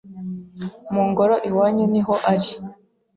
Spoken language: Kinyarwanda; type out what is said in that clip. Mu ngoro iwanyu niho ari